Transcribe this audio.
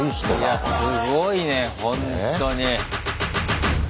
いやすごいねほんとに。